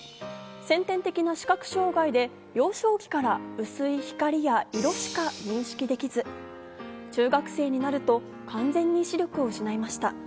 先天的な視覚障害で幼少期から薄い光や色しか認識できず中学生になると完全に視力を失いました。